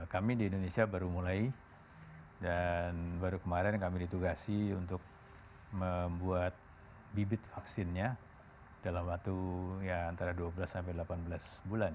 kami di indonesia baru mulai dan baru kemarin kami ditugasi untuk membuat bibit vaksinnya dalam waktu antara dua belas sampai delapan belas bulan